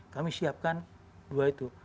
kami siapkan dua itu